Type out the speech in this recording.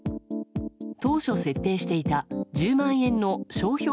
当初設定していた１０万円の商標